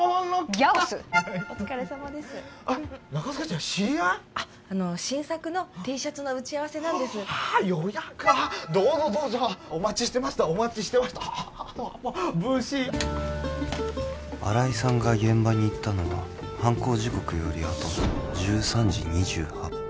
予約のどうぞどうぞお待ちしてましたお待ちしてましたＢＵＳＨＩ新井さんが現場に行ったのは犯行時刻よりあとの１３時２８分